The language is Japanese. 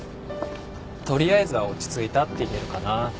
取りあえずは落ち着いたって言えるかな。